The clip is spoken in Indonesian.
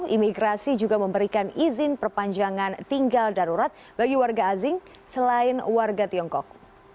imigrasi juga memberikan izin perpanjangan tinggal darurat bagi warga asing selain warga tiongkok